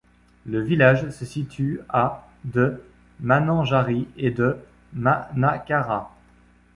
Le village se situe à de Mananjary et de Manakara.